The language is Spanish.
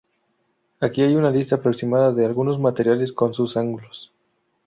Aquí hay una lista aproximada de algunos materiales con sus ángulos.